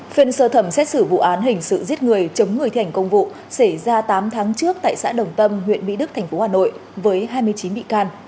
phiên sơ thẩm xét xử vụ án hình sự giết người chống người thi hành công vụ xảy ra tám tháng trước tại xã đồng tâm huyện mỹ đức tp hà nội với hai mươi chín bị can